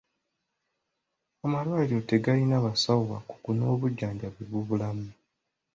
Amalwaliro tegalina basawo bakugu n'obujjanjabi bubulamu.